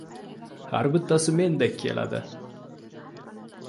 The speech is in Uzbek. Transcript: Har bittasi mendek keladi!